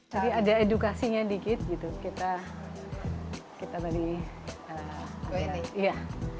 jadi ada edukasinya dikit gitu kita kita balik